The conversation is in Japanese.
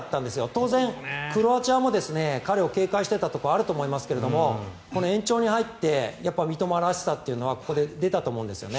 当然、クロアチアも彼を警戒していたところがあると思いますけど延長に入って三笘らしさというのはここで出たと思うんですよね。